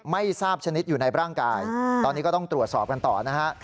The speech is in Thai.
ไม่ทราบชนิดอยู่ในร่างกายตอนนี้ก็ต้องตรวจสอบกันต่อนะฮะ